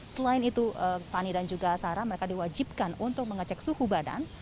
selain itu fani dan juga sarah mereka diwajibkan untuk mengecek suhu badan